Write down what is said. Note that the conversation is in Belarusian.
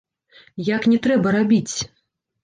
Як не трэба рабіць.